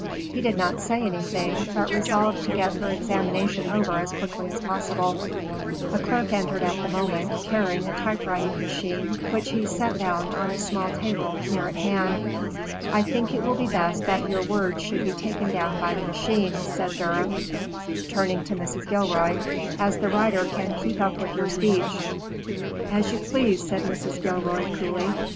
He did not say anything, but resolved to get her examination over as quickly as possible. A clerk entered at the moment, carrying a typewriting machine, which he set down on a small table near at hand. "I think it will be best that your words should be taken down by the machine," said Durham, turning to Mrs. Gilroy, "as the writer can keep up with your speech." "As you please," said Mrs. Gilroy, coolly.